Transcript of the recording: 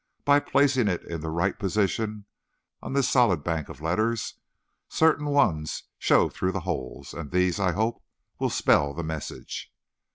By placing it in the right position on this solid bank of letters, certain ones show through the holes, and these, I hope, will spell the message."